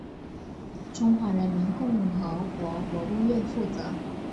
中华人民共和国国务院负责。